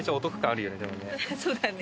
そうだね。